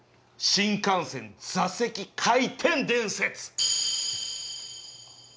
新幹線座席回転伝説！